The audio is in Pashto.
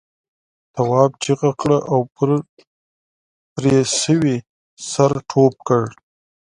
تواب چیغه کړه او پر پرې شوي سر ټوپ کړ.